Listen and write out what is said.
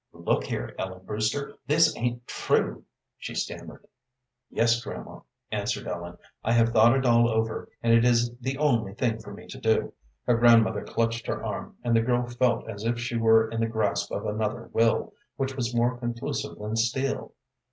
"Look here, Ellen Brewster, this ain't true?" she stammered. "Yes, grandma," answered Ellen. "I have thought it all over, and it is the only thing for me to do." Her grandmother clutched her arm, and the girl felt as if she were in the grasp of another will, which was more conclusive than steel.